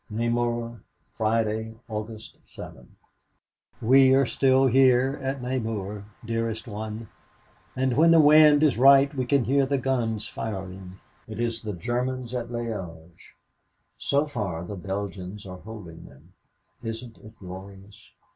"NAMUR, Friday, August 7. "We are still here at Namur, dearest one, and when the wind is right we can hear the guns firing. It is the Germans at Liége. So far the Belgians are holding them. Isn't it glorious?